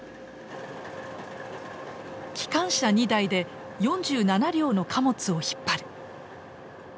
機関車２台で４７両の貨物を引っ張る。